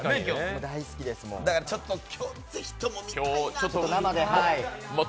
今日、ぜひとも見たいなと。